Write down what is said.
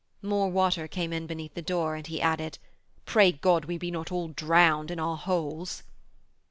More water came in beneath the door, and he added, 'Pray God we be not all drowned in our holes.'